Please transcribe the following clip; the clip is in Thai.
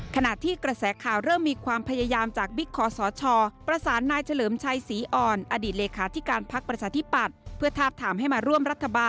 ขณะที่กระแสข่าวเริ่มมีความพยายาม